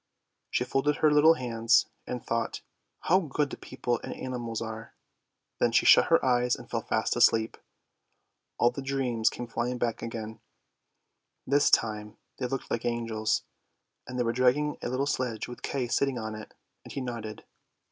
She folded her little hands and thought "how good the people and the animals are; " then she shut her eyes and fell fast asleep. All the dreams came flying back again; this time they looked like angels, and they were dragging a little sledge with Kay sitting on it, and he nodded.